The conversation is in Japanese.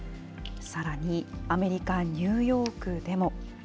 さらに、アメリカ・ニューヨークでも。